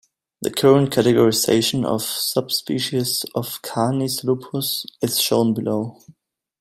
The current categorization of subspecies of "Canis lupus" is shown below.